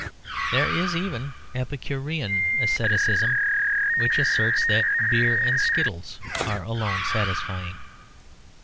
There is even epicurean asceticism, which asserts that beer and skittles are alone satisfying.